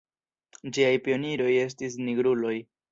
Ĝiaj pioniroj estis nigruloj.